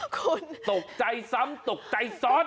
คุณตกใจซ้ำตกใจซ้อน